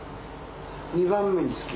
２番目に好き。